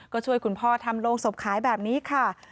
ก็ช่วยคุณพ่อทำโรงศพขายแบบนี้ค่ะ